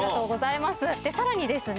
さらにですね